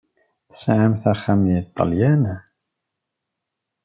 Tesɛamt axxam deg Ṭṭalyan?